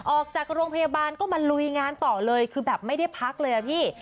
ออกจากโรงพยาบาลก็มาลุยงานต่อเลยคือแบบไม่ได้พักเลยอะพี่